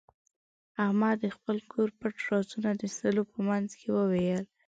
احمد د خپل کور پټ رازونه د سلو په منځ کې وویل.